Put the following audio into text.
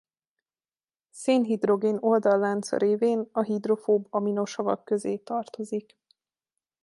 Szénhidrogén oldallánca révén a hidrofób aminosavak közé tartozik.